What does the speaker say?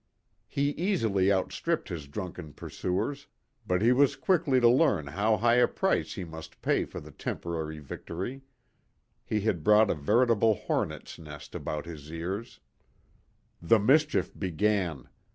He easily outstripped his drunken pursuers, but he was quickly to learn how high a price he must pay for the temporary victory. He had brought a veritable hornets' nest about his ears. The mischief began.